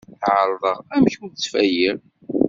Ԑerḍeɣ amek ur ttfayiɣ.